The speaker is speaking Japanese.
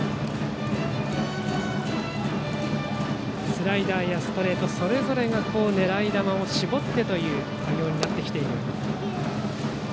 スライダーやストレートそれぞれが狙い球を絞ってという対応になってきています